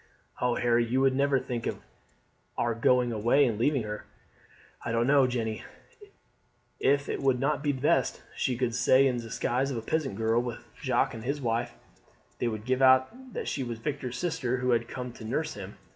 "Oh, Harry, you would never think of our going away and leaving her!" "I don't know, Jeanne, if it would not be best. She could stay in the disguise of a peasant girl with Jacques and his wife; they would give out that she was Victor's sister who had come to nurse him.